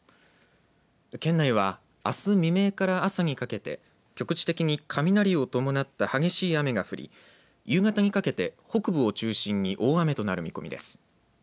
県内は、あす未明から朝にかけて局地的に雷を伴った激しい雨が降り夕方にかけて北部を中心に大雨となる見込みです。